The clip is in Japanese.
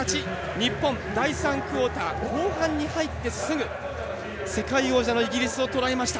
日本、第３クオーター後半に入ってすぐ世界王者のイギリスをとらえました。